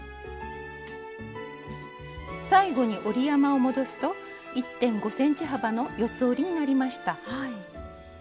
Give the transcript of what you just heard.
最後に折り山を戻すと１．５ｃｍ幅の四つ折りになりました。